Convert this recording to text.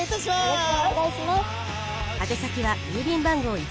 よろしくお願いします。